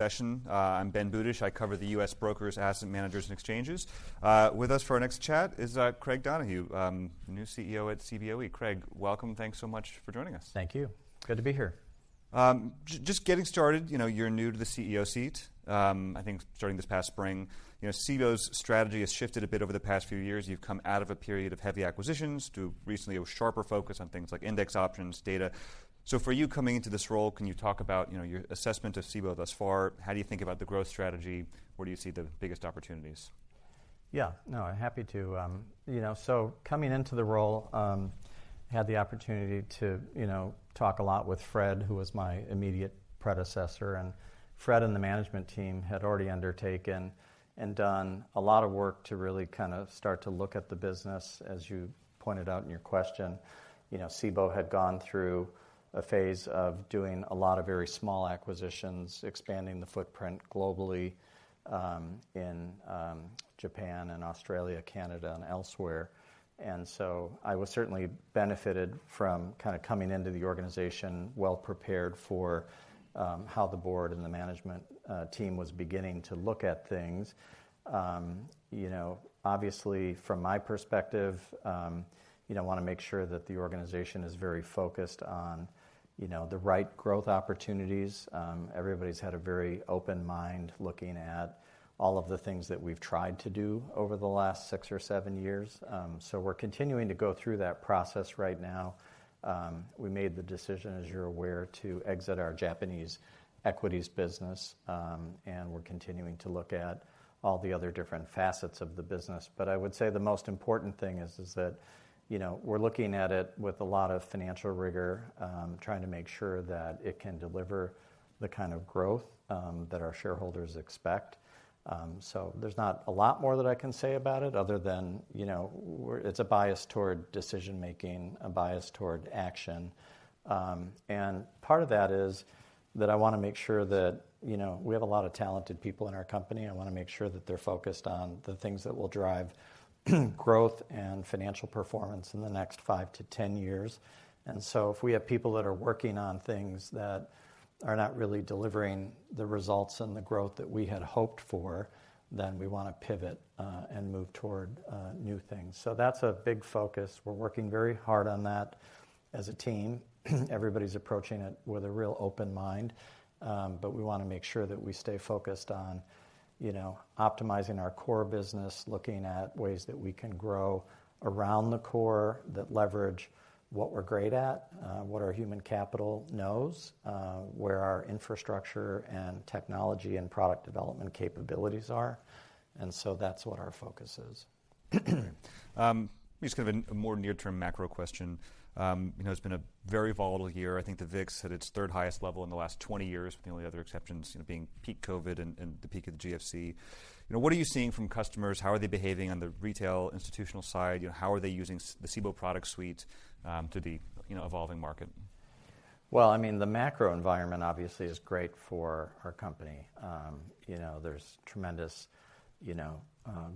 Session. I'm Ben Budish. I cover the U.S. brokers, asset managers, and exchanges. With us for our next chat is Craig Donohue, new CEO at Cboe. Craig, welcome. Thanks so much for joining us. Thank you. Good to be here. Just getting started, you're new to the CEO seat. I think starting this past spring, Cboe's strategy has shifted a bit over the past few years. You've come out of a period of heavy acquisitions to recently a sharper focus on things like index options, data. So for you coming into this role, can you talk about your assessment of Cboe thus far? How do you think about the growth strategy? Where do you see the biggest opportunities? Yeah. No, I'm happy to. So coming into the role, I had the opportunity to talk a lot with Fred, who was my immediate predecessor. And Fred and the management team had already undertaken and done a lot of work to really kind of start to look at the business. As you pointed out in your question, Cboe had gone through a phase of doing a lot of very small acquisitions, expanding the footprint globally in Japan and Australia, Canada, and elsewhere. And so I was certainly benefited from kind of coming into the organization well prepared for how the board and the management team was beginning to look at things. Obviously, from my perspective, I want to make sure that the organization is very focused on the right growth opportunities. Everybody's had a very open mind looking at all of the things that we've tried to do over the last six or seven years, so we're continuing to go through that process right now. We made the decision, as you're aware, to exit our Japanese equities business, and we're continuing to look at all the other different facets of the business, but I would say the most important thing is that we're looking at it with a lot of financial rigor, trying to make sure that it can deliver the kind of growth that our shareholders expect, so there's not a lot more that I can say about it other than it's a bias toward decision making, a bias toward action, and part of that is that I want to make sure that we have a lot of talented people in our company. I want to make sure that they're focused on the things that will drive growth and financial performance in the next five to 10 years. And so if we have people that are working on things that are not really delivering the results and the growth that we had hoped for, then we want to pivot and move toward new things. So that's a big focus. We're working very hard on that as a team. Everybody's approaching it with a real open mind. But we want to make sure that we stay focused on optimizing our core business, looking at ways that we can grow around the core that leverage what we're great at, what our human capital knows, where our infrastructure and technology and product development capabilities are. And so that's what our focus is. Just kind of a more near-term macro question. It's been a very volatile year. I think the VIX had its third highest level in the last 20 years, with the only other exceptions being peak COVID and the peak of the GFC. What are you seeing from customers? How are they behaving on the retail institutional side? How are they using the Cboe product suite to the evolving market? Well, I mean, the macro environment obviously is great for our company. There's tremendous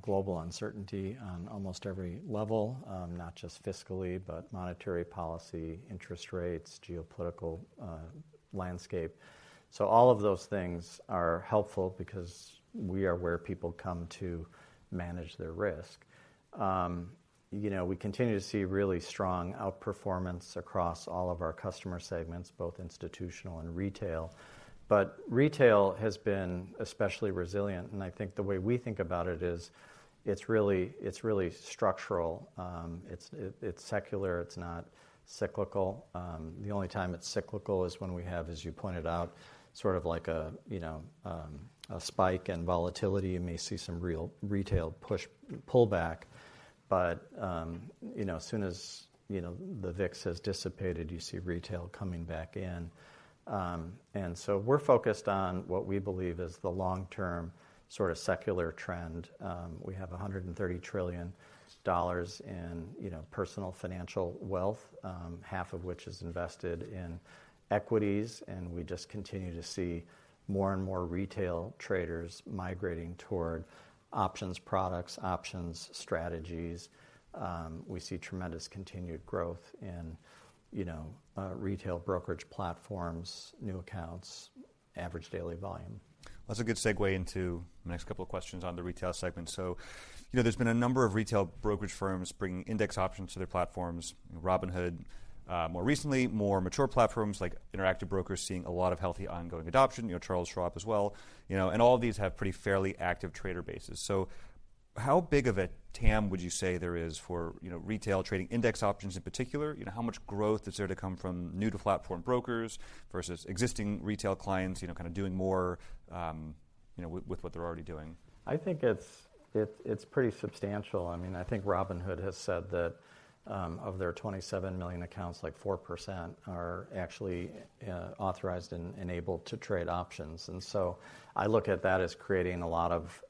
global uncertainty on almost every level, not just fiscally, but monetary policy, interest rates, geopolitical landscape. So all of those things are helpful because we are where people come to manage their risk. We continue to see really strong outperformance across all of our customer segments, both institutional and retail. But retail has been especially resilient. And I think the way we think about it is it's really structural. It's secular. It's not cyclical. The only time it's cyclical is when we have, as you pointed out, sort of like a spike in volatility. You may see some real retail pullback. But as soon as the VIX has dissipated, you see retail coming back in. And so we're focused on what we believe is the long-term sort of secular trend. We have $130 trillion in personal financial wealth, half of which is invested in equities. We just continue to see more and more retail traders migrating toward options, products, options, strategies. We see tremendous continued growth in retail brokerage platforms, new accounts, average daily volume. That's a good segue into the next couple of questions on the retail segment. So there's been a number of retail brokerage firms bringing index options to their platforms, Robinhood more recently, more mature platforms like Interactive Brokers seeing a lot of healthy ongoing adoption, Charles Schwab as well. And all of these have pretty fairly active trader bases. So how big of a TAM would you say there is for retail trading index options in particular? How much growth is there to come from new-to-platform brokers versus existing retail clients kind of doing more with what they're already doing? I think it's pretty substantial. I mean, I think Robinhood has said that of their 27 million accounts, like 4% are actually authorized and able to trade options, and so I look at that as creating a lot of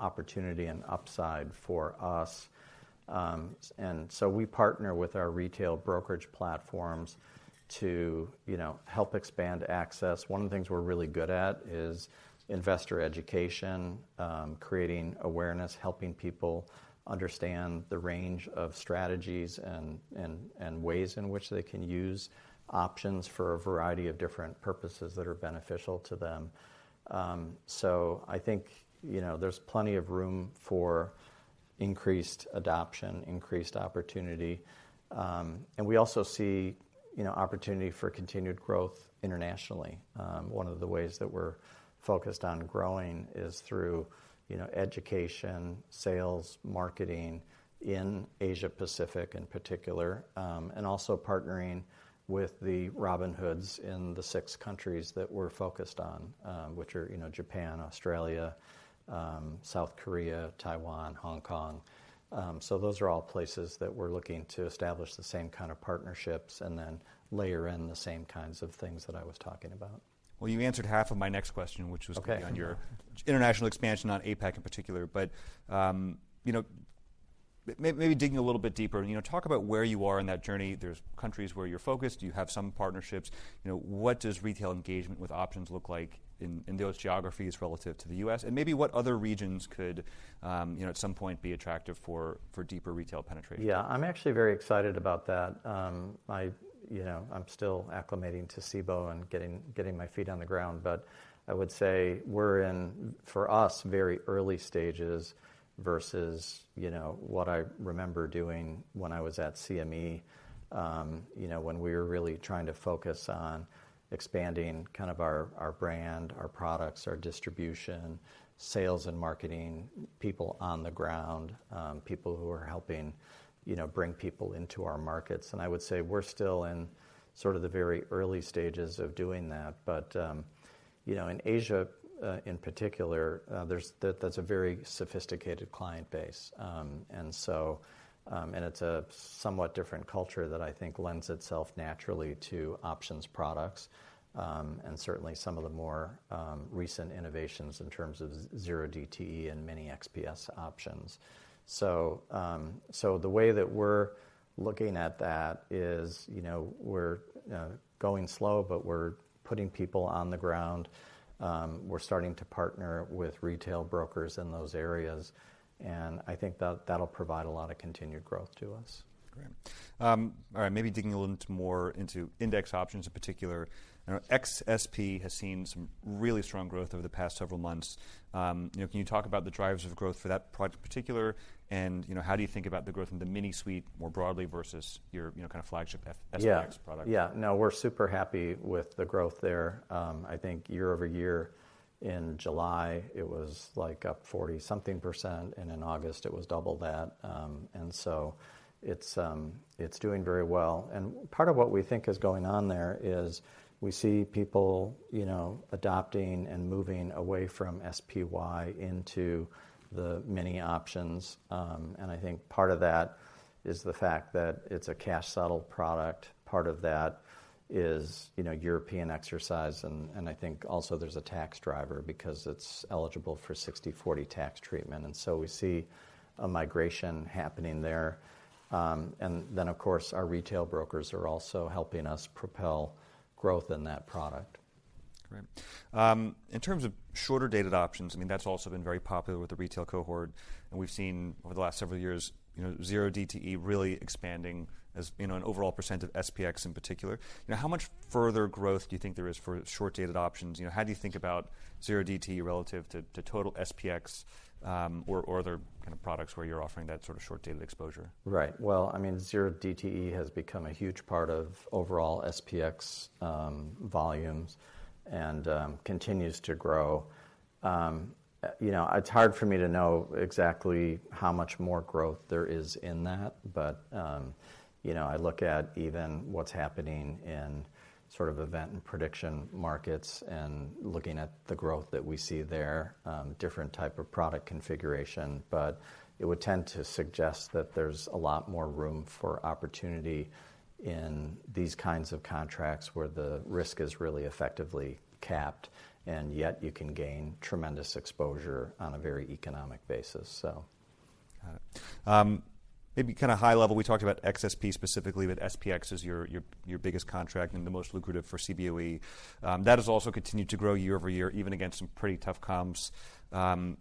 opportunity and upside for us, and so we partner with our retail brokerage platforms to help expand access. One of the things we're really good at is investor education, creating awareness, helping people understand the range of strategies and ways in which they can use options for a variety of different purposes that are beneficial to them, so I think there's plenty of room for increased adoption, increased opportunity, and we also see opportunity for continued growth internationally. One of the ways that we're focused on growing is through education, sales, marketing in Asia-Pacific in particular, and also partnering with the Robinhoods in the six countries that we're focused on, which are Japan, Australia, South Korea, Taiwan, Hong Kong. So those are all places that we're looking to establish the same kind of partnerships and then layer in the same kinds of things that I was talking about. Well, you answered half of my next question, which was going to be on your international expansion on APAC in particular. But maybe digging a little bit deeper, talk about where you are in that journey. There are countries where you are focused. You have some partnerships. What does retail engagement with options look like in those geographies relative to the U.S.? And maybe what other regions could at some point be attractive for deeper retail penetration? Yeah, I'm actually very excited about that. I'm still acclimating to Cboe and getting my feet on the ground. But I would say we're in, for us, very early stages versus what I remember doing when I was at CME, when we were really trying to focus on expanding kind of our brand, our products, our distribution, sales and marketing, people on the ground, people who are helping bring people into our markets. And I would say we're still in sort of the very early stages of doing that. But in Asia in particular, that's a very sophisticated client base. And it's a somewhat different culture that I think lends itself naturally to options products and certainly some of the more recent innovations in terms of zero DTE and many XSP options. So the way that we're looking at that is we're going slow, but we're putting people on the ground. We're starting to partner with retail brokers in those areas. And I think that'll provide a lot of continued growth to us. Great. All right. Maybe digging a little more into index options in particular. XSP has seen some really strong growth over the past several months. Can you talk about the drivers of growth for that product in particular? And how do you think about the growth in the mini suite more broadly versus your kind of flagship SPX product? Yeah. No, we're super happy with the growth there. I think year over year, in July, it was like up 40-something%. And in August, it was double that. And so it's doing very well. And part of what we think is going on there is we see people adopting and moving away from SPY into the mini options. And I think part of that is the fact that it's a cash-settled product. Part of that is European exercise. And I think also there's a tax driver because it's eligible for 60/40 tax treatment. And so we see a migration happening there. And then, of course, our retail brokers are also helping us propel growth in that product. Great. In terms of shorter dated options, I mean, that's also been very popular with the retail cohort, and we've seen over the last several years zero DTE really expanding as an overall % of SPX in particular. How much further growth do you think there is for short dated options? How do you think about zero DTE relative to total SPX or other kind of products where you're offering that sort of short dated exposure? Right. Well, I mean, zero DTE has become a huge part of overall SPX volumes and continues to grow. It's hard for me to know exactly how much more growth there is in that. But I look at even what's happening in sort of event and prediction markets and looking at the growth that we see there, different type of product configuration. But it would tend to suggest that there's a lot more room for opportunity in these kinds of contracts where the risk is really effectively capped, and yet you can gain tremendous exposure on a very economic basis. Got it. Maybe kind of high level, we talked about XSP specifically, but SPX is your biggest contract and the most lucrative for Cboe. That has also continued to grow year over year, even against some pretty tough comps. What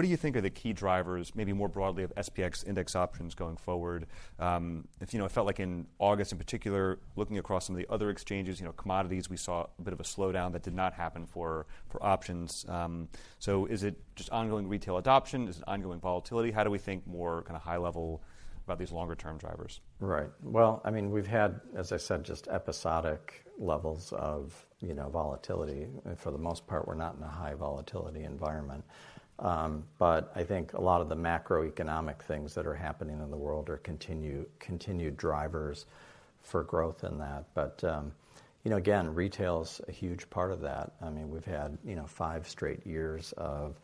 do you think are the key drivers, maybe more broadly, of SPX index options going forward? It felt like in August in particular, looking across some of the other exchanges, commodities, we saw a bit of a slowdown that did not happen for options. So is it just ongoing retail adoption? Is it ongoing volatility? How do we think more kind of high level about these longer-term drivers? Right. Well, I mean, we've had, as I said, just episodic levels of volatility. For the most part, we're not in a high volatility environment. But I think a lot of the macroeconomic things that are happening in the world are continued drivers for growth in that. But again, retail is a huge part of that. I mean, we've had five straight years of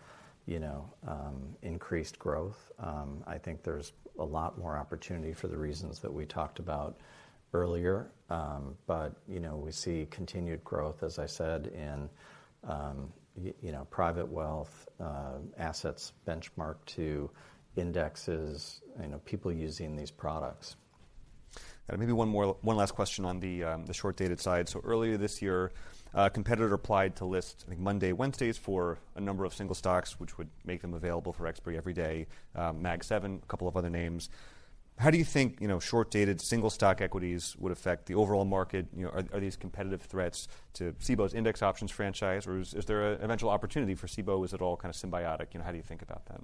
increased growth. I think there's a lot more opportunity for the reasons that we talked about earlier. But we see continued growth, as I said, in private wealth, assets benchmarked to indexes, people using these products. And maybe one last question on the short dated side. So earlier this year, a competitor applied to list, I think, Monday, Wednesdays for a number of single stocks, which would make them available for expiry every day, Mag 7, a couple of other names. How do you think short dated single stock equities would affect the overall market? Are these competitive threats to Cboe's index options franchise? Or is there an eventual opportunity for Cboe? Is it all kind of symbiotic? How do you think about that?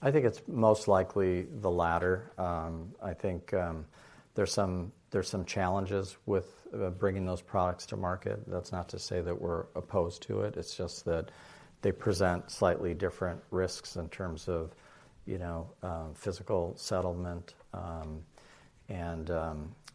I think it's most likely the latter. I think there's some challenges with bringing those products to market. That's not to say that we're opposed to it. It's just that they present slightly different risks in terms of physical settlement and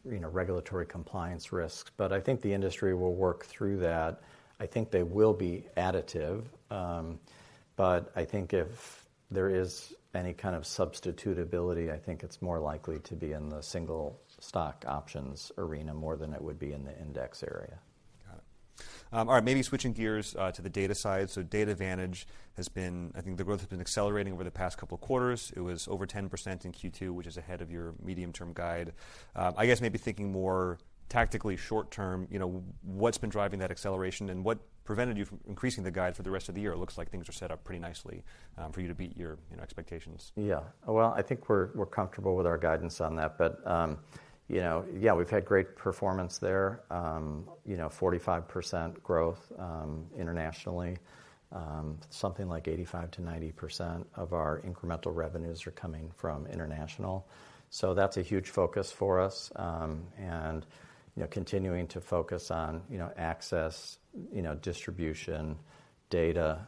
regulatory compliance risks. But I think the industry will work through that. I think they will be additive. But I think if there is any kind of substitutability, I think it's more likely to be in the single stock options arena more than it would be in the index area. Got it. All right. Maybe switching gears to the data side. So DataVantage has been, I think the growth has been accelerating over the past couple of quarters. It was over 10% in Q2, which is ahead of your medium-term guide. I guess maybe thinking more tactically short term, what's been driving that acceleration and what prevented you from increasing the guide for the rest of the year? It looks like things are set up pretty nicely for you to beat your expectations. Yeah, well, I think we're comfortable with our guidance on that, but yeah, we've had great performance there, 45% growth internationally. Something like 85%-90% of our incremental revenues are coming from international. That's a huge focus for us, and continuing to focus on access, distribution, data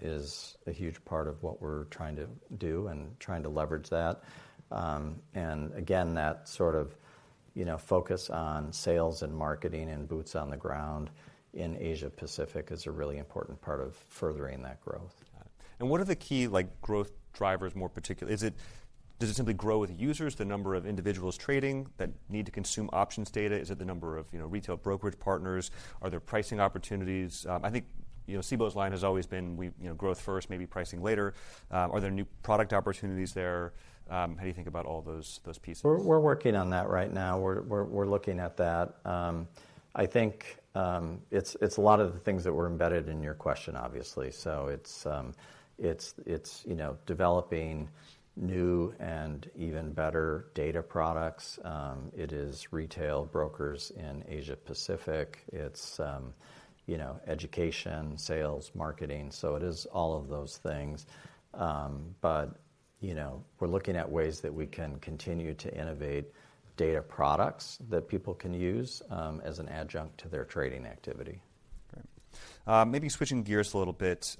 is a huge part of what we're trying to do and trying to leverage that. Again, that sort of focus on sales and marketing and boots on the ground in Asia-Pacific is a really important part of furthering that growth. What are the key growth drivers more particularly? Does it simply grow with users, the number of individuals trading that need to consume options data? Is it the number of retail brokerage partners? Are there pricing opportunities? I think Cboe's line has always been growth first, maybe pricing later. Are there new product opportunities there? How do you think about all those pieces? We're working on that right now. We're looking at that. I think it's a lot of the things that were embedded in your question, obviously. So it's developing new and even better data products. It is retail brokers in Asia-Pacific. It's education, sales, marketing. So it is all of those things. But we're looking at ways that we can continue to innovate data products that people can use as an adjunct to their trading activity. Great. Maybe switching gears a little bit,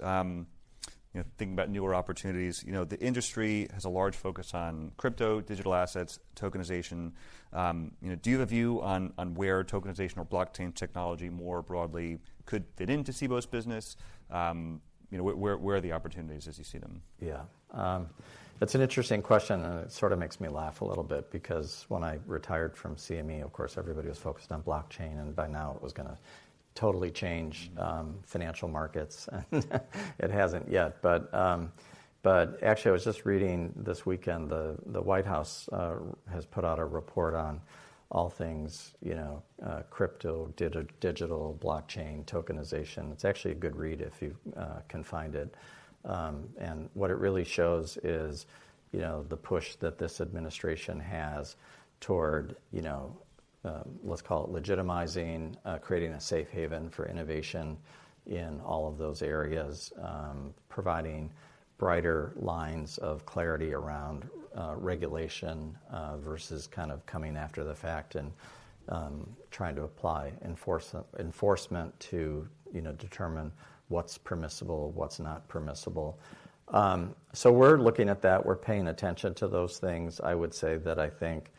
thinking about newer opportunities. The industry has a large focus on crypto, digital assets, tokenization. Do you have a view on where tokenization or blockchain technology more broadly could fit into Cboe's business? Where are the opportunities as you see them? Yeah. That's an interesting question. And it sort of makes me laugh a little bit because when I retired from CME, of course, everybody was focused on blockchain. And by now, it was going to totally change financial markets. And it hasn't yet. But actually, I was just reading this weekend, the White House has put out a report on all things crypto, digital, blockchain, tokenization. It's actually a good read if you can find it. And what it really shows is the push that this administration has toward, let's call it legitimizing, creating a safe haven for innovation in all of those areas, providing brighter lines of clarity around regulation versus kind of coming after the fact and trying to apply enforcement to determine what's permissible, what's not permissible. So we're looking at that. We're paying attention to those things. I would say that I think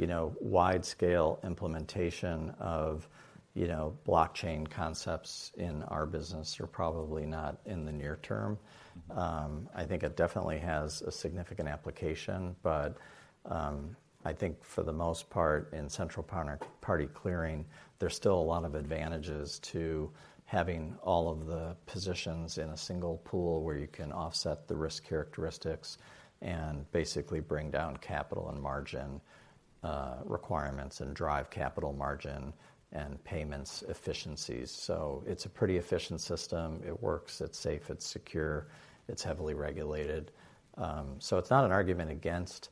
wide-scale implementation of blockchain concepts in our business are probably not in the near term. I think it definitely has a significant application. But I think for the most part, in central counterparty clearing, there's still a lot of advantages to having all of the positions in a single pool where you can offset the risk characteristics and basically bring down capital and margin requirements and drive capital margin and payments efficiencies. So it's a pretty efficient system. It works. It's safe. It's secure. It's heavily regulated. So it's not an argument against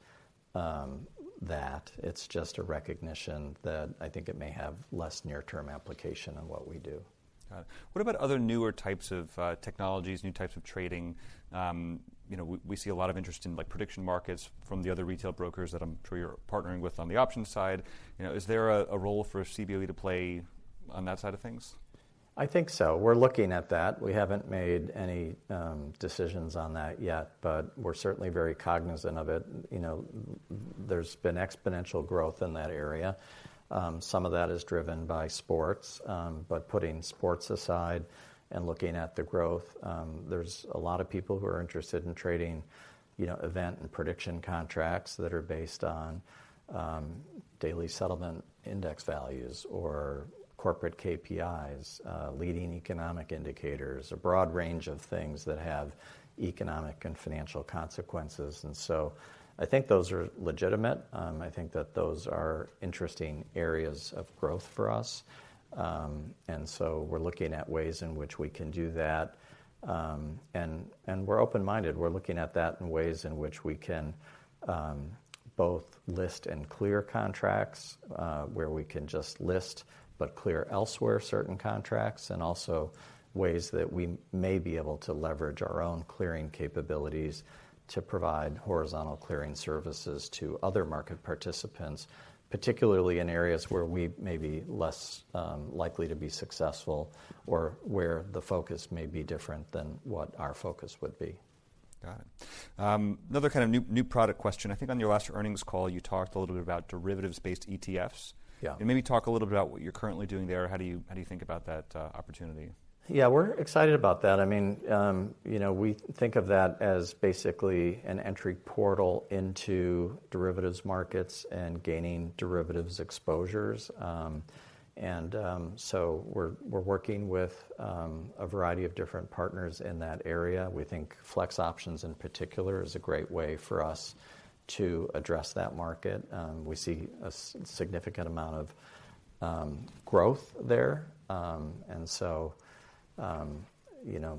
that. It's just a recognition that I think it may have less near-term application than what we do. Got it. What about other newer types of technologies, new types of trading? We see a lot of interest in prediction markets from the other retail brokers that I'm sure you're partnering with on the options side. Is there a role for Cboe to play on that side of things? I think so. We're looking at that. We haven't made any decisions on that yet. But we're certainly very cognizant of it. There's been exponential growth in that area. Some of that is driven by sports. But putting sports aside and looking at the growth, there's a lot of people who are interested in trading event and prediction contracts that are based on daily settlement index values or corporate KPIs, leading economic indicators, a broad range of things that have economic and financial consequences. And so I think those are legitimate. I think that those are interesting areas of growth for us. And so we're looking at ways in which we can do that. And we're open-minded. We're looking at that in ways in which we can both list and clear contracts, where we can just list but clear elsewhere certain contracts, and also ways that we may be able to leverage our own clearing capabilities to provide horizontal clearing services to other market participants, particularly in areas where we may be less likely to be successful or where the focus may be different than what our focus would be. Got it. Another kind of new product question. I think on your last earnings call, you talked a little bit about derivatives-based ETFs. And maybe talk a little bit about what you're currently doing there. How do you think about that opportunity? Yeah, we're excited about that. I mean, we think of that as basically an entry portal into derivatives markets and gaining derivatives exposures, and so we're working with a variety of different partners in that area. We think FLEX Options in particular is a great way for us to address that market. We see a significant amount of growth there, and so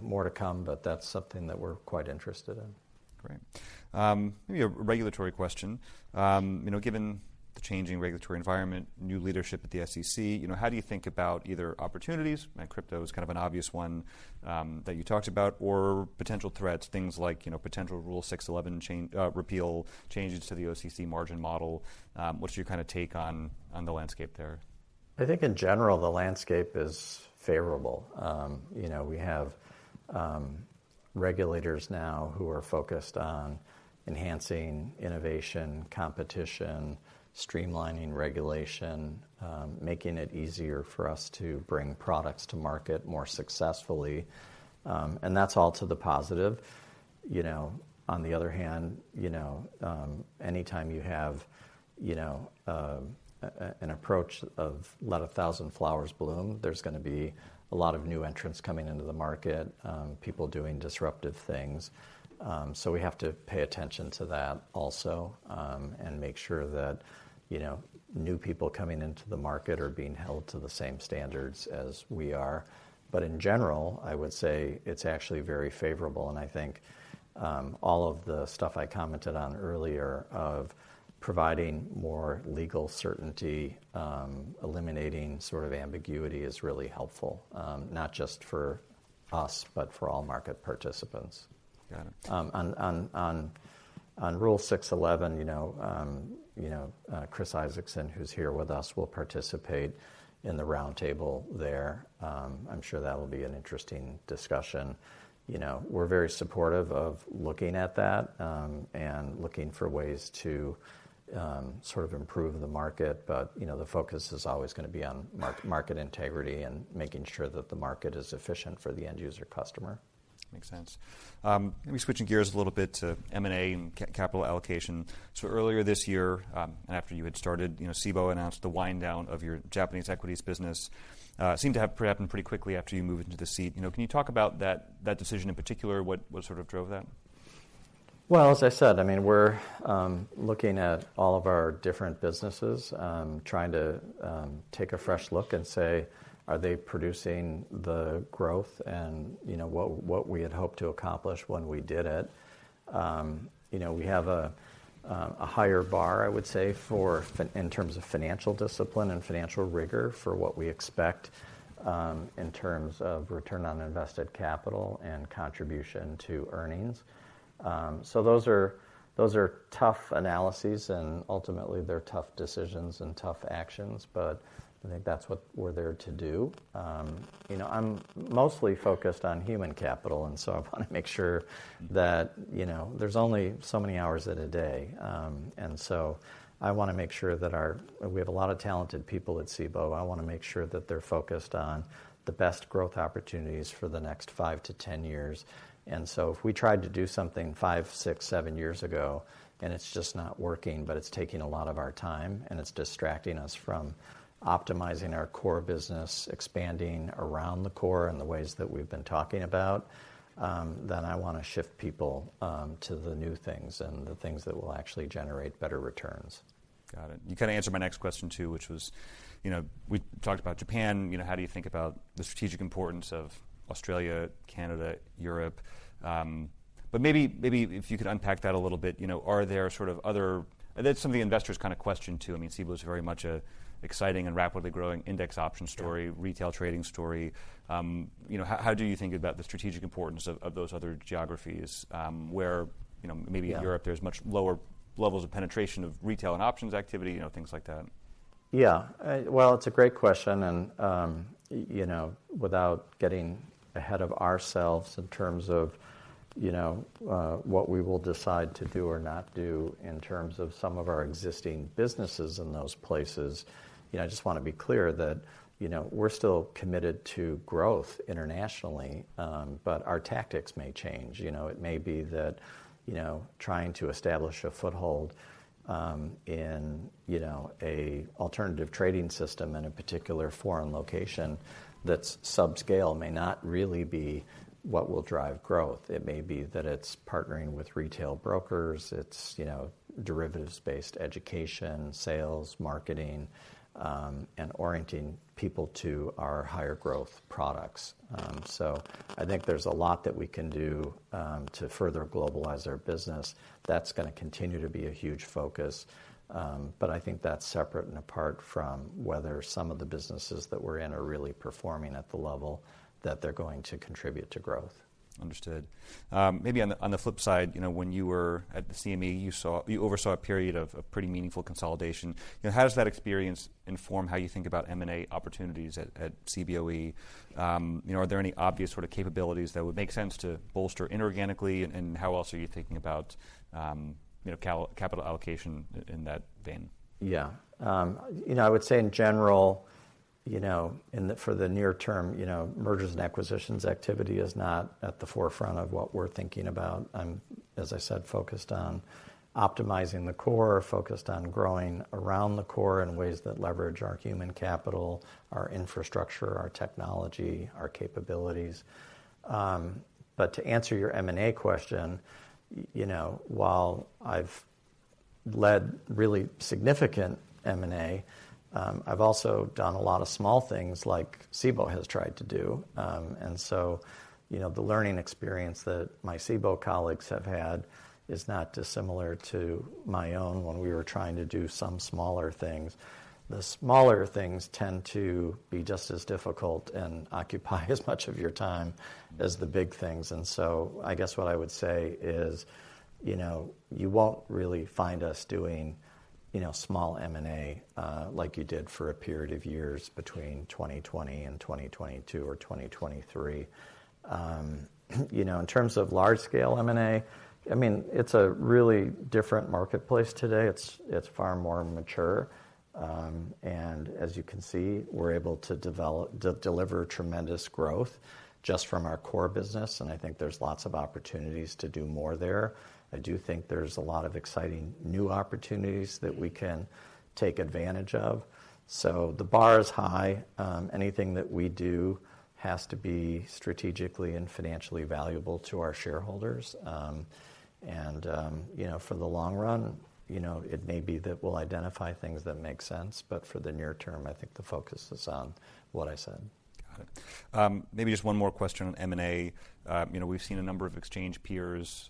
more to come, but that's something that we're quite interested in. Great. Maybe a regulatory question. Given the changing regulatory environment, new leadership at the SEC, how do you think about either opportunities? Crypto is kind of an obvious one that you talked about or potential threats, things like potential Rule 611 repeal changes to the OCC margin model. What's your kind of take on the landscape there? I think in general, the landscape is favorable. We have regulators now who are focused on enhancing innovation, competition, streamlining regulation, making it easier for us to bring products to market more successfully. And that's all to the positive. On the other hand, anytime you have an approach of let a thousand flowers bloom, there's going to be a lot of new entrants coming into the market, people doing disruptive things. So we have to pay attention to that also and make sure that new people coming into the market are being held to the same standards as we are. But in general, I would say it's actually very favorable. And I think all of the stuff I commented on earlier of providing more legal certainty, eliminating sort of ambiguity is really helpful, not just for us, but for all market participants. Got it. On Rule 611, Chris Isaacson, who's here with us, will participate in the roundtable there. I'm sure that will be an interesting discussion. We're very supportive of looking at that and looking for ways to sort of improve the market. But the focus is always going to be on market integrity and making sure that the market is efficient for the end user customer. Makes sense. Maybe switching gears a little bit to M&A and capital allocation. So earlier this year, and after you had started, Cboe announced the wind down of your Japanese equities business. It seemed to have happened pretty quickly after you moved into the seat. Can you talk about that decision in particular? What sort of drove that? As I said, I mean, we're looking at all of our different businesses, trying to take a fresh look and say, are they producing the growth and what we had hoped to accomplish when we did it? We have a higher bar, I would say, in terms of financial discipline and financial rigor for what we expect in terms of return on invested capital and contribution to earnings. Those are tough analyses. Ultimately, they're tough decisions and tough actions. I think that's what we're there to do. I'm mostly focused on human capital. I want to make sure that there's only so many hours in a day. I want to make sure that we have a lot of talented people at Cboe. I want to make sure that they're focused on the best growth opportunities for the next five to 10 years. If we tried to do something five, six, seven years ago, and it's just not working, but it's taking a lot of our time, and it's distracting us from optimizing our core business, expanding around the core and the ways that we've been talking about, then I want to shift people to the new things and the things that will actually generate better returns. Got it. You kind of answered my next question too, which was we talked about Japan. How do you think about the strategic importance of Australia, Canada, Europe? But maybe if you could unpack that a little bit, are there sort of other that's something investors kind of question too. I mean, Cboe is very much an exciting and rapidly growing index options story, retail trading story. How do you think about the strategic importance of those other geographies where maybe in Europe there's much lower levels of penetration of retail and options activity, things like that? Yeah. Well, it's a great question. And without getting ahead of ourselves in terms of what we will decide to do or not do in terms of some of our existing businesses in those places, I just want to be clear that we're still committed to growth internationally. But our tactics may change. It may be that trying to establish a foothold in an alternative trading system in a particular foreign location that's subscale may not really be what will drive growth. It may be that it's partnering with retail brokers. It's derivatives-based education, sales, marketing, and orienting people to our higher growth products. So I think there's a lot that we can do to further globalize our business. That's going to continue to be a huge focus. But I think that's separate and apart from whether some of the businesses that we're in are really performing at the level that they're going to contribute to growth. Understood. Maybe on the flip side, when you were at the CME, you oversaw a period of pretty meaningful consolidation. How does that experience inform how you think about M&A opportunities at Cboe? Are there any obvious sort of capabilities that would make sense to bolster inorganically? And how else are you thinking about capital allocation in that vein? Yeah. I would say in general, for the near term, mergers and acquisitions activity is not at the forefront of what we're thinking about. I'm, as I said, focused on optimizing the core, focused on growing around the core in ways that leverage our human capital, our infrastructure, our technology, our capabilities. But to answer your M&A question, while I've led really significant M&A, I've also done a lot of small things like Cboe has tried to do. And so the learning experience that my Cboe colleagues have had is not dissimilar to my own when we were trying to do some smaller things. The smaller things tend to be just as difficult and occupy as much of your time as the big things. And so I guess what I would say is you won't really find us doing small M&A like you did for a period of years between 2020 and 2022 or 2023. In terms of large-scale M&A, I mean, it's a really different marketplace today. It's far more mature. And as you can see, we're able to deliver tremendous growth just from our core business. And I think there's lots of opportunities to do more there. I do think there's a lot of exciting new opportunities that we can take advantage of. So the bar is high. Anything that we do has to be strategically and financially valuable to our shareholders. And for the long run, it may be that we'll identify things that make sense. But for the near term, I think the focus is on what I said. Got it. Maybe just one more question on M&A. We've seen a number of exchange peers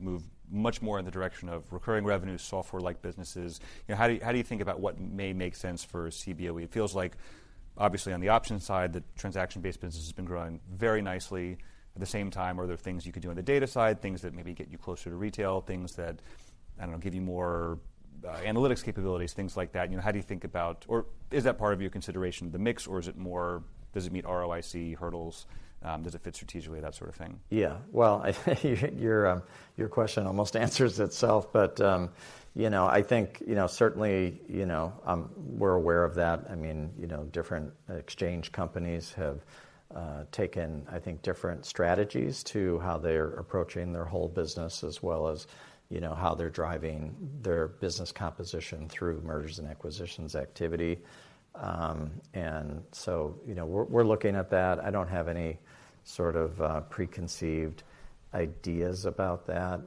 move much more in the direction of recurring revenue, software-like businesses. How do you think about what may make sense for Cboe? It feels like, obviously, on the options side, the transaction-based business has been growing very nicely. At the same time, are there things you could do on the data side, things that maybe get you closer to retail, things that give you more analytics capabilities, things like that? How do you think about or is that part of your consideration, the mix? Or does it meet ROIC hurdles? Does it fit strategically, that sort of thing? Yeah. Well, your question almost answers itself. But I think certainly we're aware of that. I mean, different exchange companies have taken, I think, different strategies to how they're approaching their whole business as well as how they're driving their business composition through mergers and acquisitions activity. And so we're looking at that. I don't have any sort of preconceived ideas about that.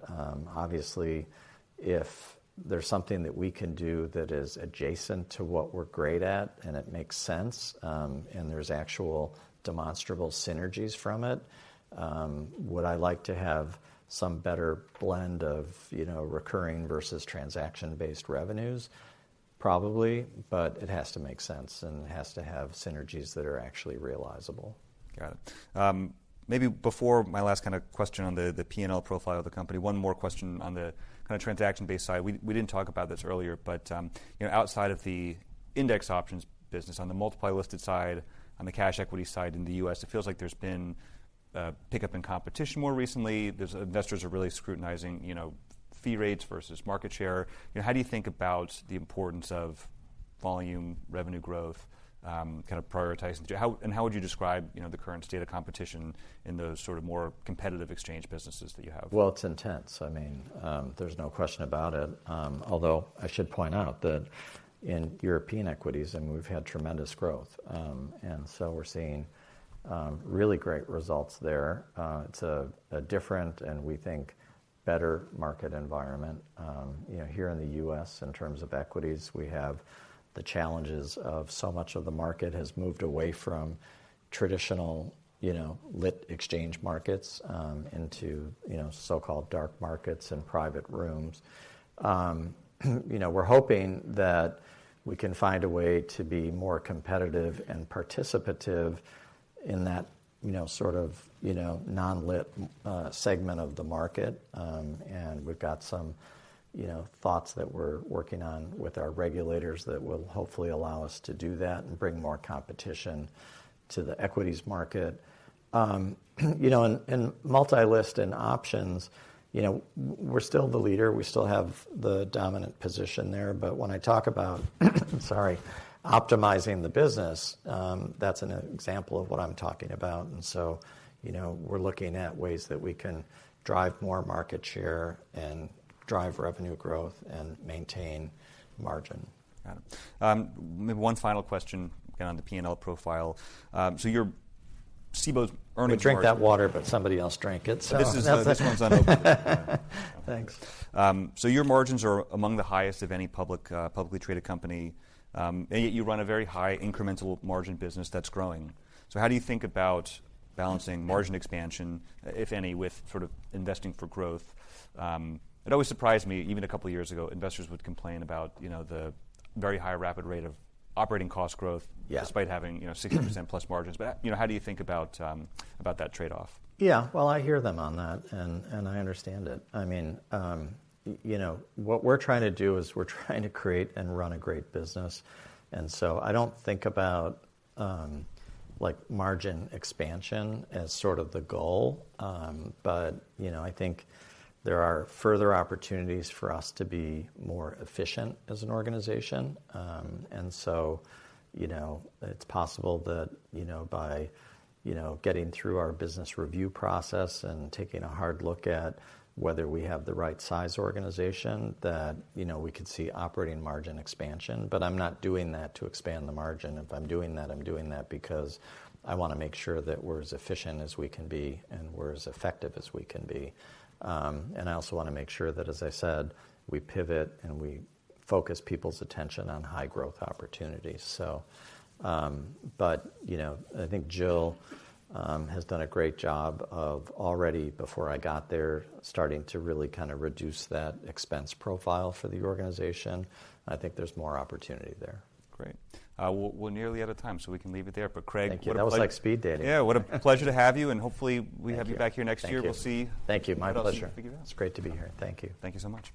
Obviously, if there's something that we can do that is adjacent to what we're great at and it makes sense and there's actual demonstrable synergies from it, would I like to have some better blend of recurring versus transaction-based revenues? Probably. But it has to make sense. And it has to have synergies that are actually realizable. Got it. Maybe before my last kind of question on the P&L profile of the company, one more question on the kind of transaction-based side. We didn't talk about this earlier. But outside of the index options business, on the multi-listed side, on the cash equity side in the U.S., it feels like there's been a pickup in competition more recently. Investors are really scrutinizing fee rates versus market share. How do you think about the importance of volume, revenue growth, kind of prioritizing? And how would you describe the current state of competition in those sort of more competitive exchange businesses that you have? It's intense. I mean, there's no question about it. Although I should point out that in European equities, I mean, we've had tremendous growth, so we're seeing really great results there. It's a different, and we think better, market environment. Here in the U.S., in terms of equities, we have the challenges of so much of the market has moved away from traditional lit exchange markets into so-called dark markets and private rooms. We're hoping that we can find a way to be more competitive and participative in that sort of non-lit segment of the market, and we've got some thoughts that we're working on with our regulators that will hopefully allow us to do that and bring more competition to the equities market. In multi-listed options, we're still the leader. We still have the dominant position there. When I talk about, sorry, optimizing the business, that's an example of what I'm talking about. We're looking at ways that we can drive more market share and drive revenue growth and maintain margin. Got it. Maybe one final question on the P&L profile. So your Cboe's earnings are. We drank that water, but somebody else drank it. This one's unopened. Thanks. So your margins are among the highest of any publicly traded company. And yet you run a very high incremental margin business that's growing. So how do you think about balancing margin expansion, if any, with sort of investing for growth? It always surprised me. Even a couple of years ago, investors would complain about the very high rapid rate of operating cost growth despite having 60% plus margins. But how do you think about that trade-off? Yeah. Well, I hear them on that. And I understand it. I mean, what we're trying to do is we're trying to create and run a great business. And so I don't think about margin expansion as sort of the goal. But I think there are further opportunities for us to be more efficient as an organization. And so it's possible that by getting through our business review process and taking a hard look at whether we have the right size organization, that we could see operating margin expansion. But I'm not doing that to expand the margin. If I'm doing that, I'm doing that because I want to make sure that we're as efficient as we can be and we're as effective as we can be. And I also want to make sure that, as I said, we pivot and we focus people's attention on high growth opportunities. But I think Jill has done a great job of already, before I got there, starting to really kind of reduce that expense profile for the organization. I think there's more opportunity there. Great. We're nearly out of time. So we can leave it there. But Craig, what about? Thank you. That was like speed dating. Yeah. What a pleasure to have you. And hopefully, we have you back here next year. We'll see. Thank you. My pleasure. It's great to be here. Thank you. Thank you so much.